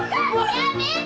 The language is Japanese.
やめて！